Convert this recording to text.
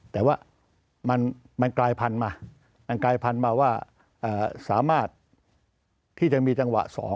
แต่ว่ามันกลายพันมาว่าสามารถที่จะมีจังหวะ๒